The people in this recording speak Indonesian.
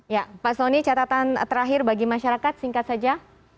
ya pak soni catatan terakhir bagi masyarakat singkat saja